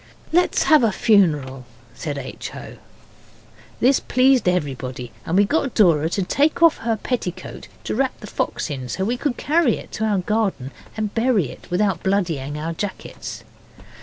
'Let's have a funeral,' said H. O. This pleased everybody, and we got Dora to take off her petticoat to wrap the fox in, so that we could carry it to our garden and bury it without bloodying our jackets.